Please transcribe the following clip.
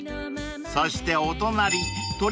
［そしてお隣］